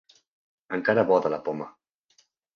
Encara bo de la poma.